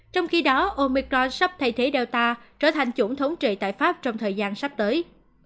trong khi đó omicron sắp thay thế delta trở thành chuẩn thống trị tại pháp trong thời gian sắp tới